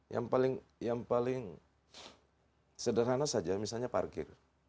yang paling sederhana saja misalnya parkir